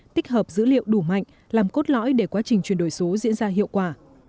tích hợp dữ liệu đủ mạnh làm cốt lõi để quá trình chuyển đổi số diễn ra hiệu quả